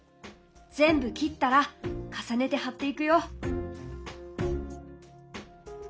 全部切ったら重ねて貼っていくよ。